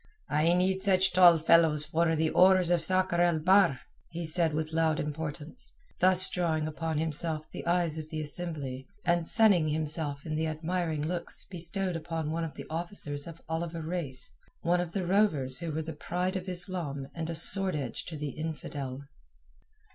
"I need such tall fellows for the oars of Sakr el Bahr," said he with loud importance, thus drawing upon himself the eyes of the assembly, and sunning himself in the admiring looks bestowed upon one of the officers of Oliver Reis, one of the rovers who were the pride of Islam and a sword edge to the infidel.